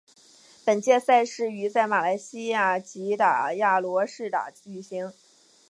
本届赛事于在马来西亚吉打亚罗士打举行。